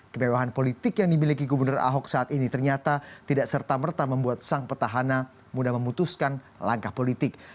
kemewahan politik yang dimiliki gubernur ahok saat ini ternyata tidak serta merta membuat sang petahana mudah memutuskan langkah politik